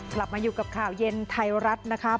กลับมาอยู่กับข่าวเย็นไทยรัฐนะครับ